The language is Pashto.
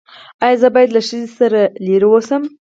ایا زه باید له ښځې لرې اوسم؟